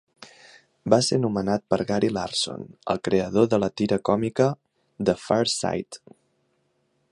Va ser nomenat per Gary Larson, el creador de la tira còmica The Far Side.